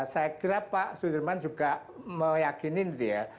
saya kira pak sudirman juga meyakini gitu ya